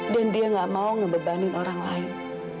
dan dia tidak mau membebani orang lain